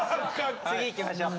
次いきましょう。